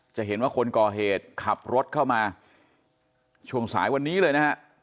จะเห็นว่าคนก่อเหตุขับรถเข้ามาช่วงสายวันนี้เลยนะฮะ